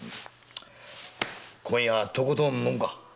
今夜はとことん飲むか！